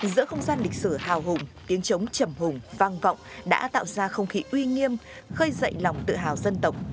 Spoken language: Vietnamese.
giữa không gian lịch sử hào hùng tiếng chống chầm hùng vang vọng đã tạo ra không khí uy nghiêm khơi dậy lòng tự hào dân tộc